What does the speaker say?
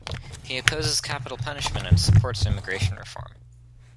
He opposes capital punishment, and supports immigration reform.